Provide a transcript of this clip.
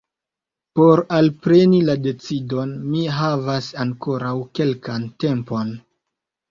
Por alpreni la decidon mi havas ankoraŭ kelkan tempon.